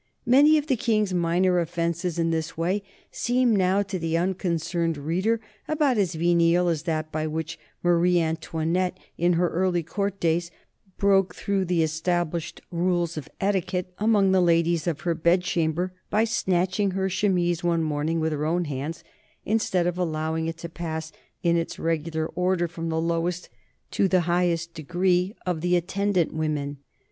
Many of the King's minor offences in this way seem now to the unconcerned reader about as venial as that by which Marie Antoinette in her early Court days broke through the established rules of etiquette among the ladies of her bedchamber by snatching her chemise one morning with her own hands instead of allowing it to pass in its regular order from the lowest to the highest degree of the attendant women.